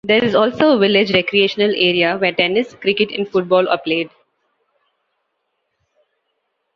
There is also a village recreational area where tennis, cricket and football are played.